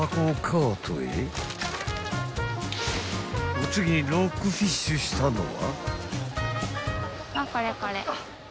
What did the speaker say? ［お次にロックフィッシュしたのは？］